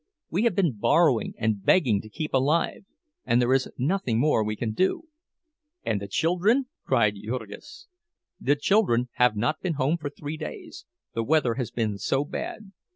We have been borrowing and begging to keep alive, and there is nothing more we can do—" "And the children?" cried Jurgis. "The children have not been home for three days, the weather has been so bad.